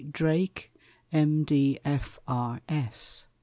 Drake_, M. D. F. R. S.